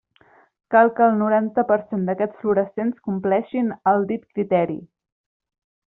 Cal que el noranta per cent d'aquests fluorescents compleixin el dit criteri.